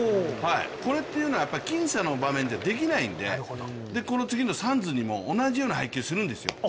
これって僅差の場面ではできないので次のサンズにも同じような配球するんですよ。